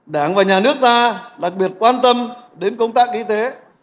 đảng và nhà nước ta đặc biệt quan tâm đến công tác y tế